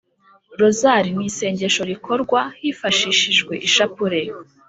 rozari ni isengesho rikorwa hifashishijwe ishapule.